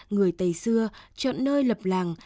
người tày xưa chọn nơi lập làng